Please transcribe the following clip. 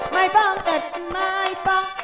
ไม่มองเกิดไม่มอง